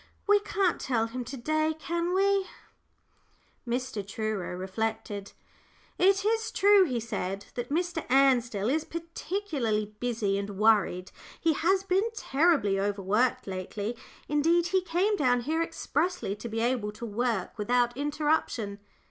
We can't tell him to day, can we?" Mr. Truro reflected. "It is true," he said, "that Mr. Ansdell is particularly busy and worried. He has been terribly overworked lately; indeed, he came down here expressly to be able to work without interruption.